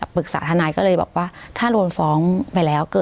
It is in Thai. ปรึกษาทนายก็เลยบอกว่าถ้าโดนฟ้องไปแล้ว